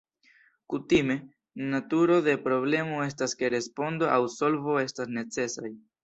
Kutime, naturo de problemo estas ke respondo aŭ solvo estas necesaj.